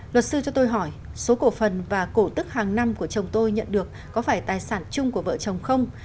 luật sư cho tôi hỏi số cổ phần và cổ tức hàng năm của chồng tôi nhận được có phải tài sản chung của vợ chồng không